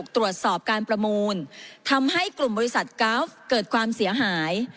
ตรวจสอบการประมูลทำให้กลุ่มบริษัทกราฟเกิดความเสียหาย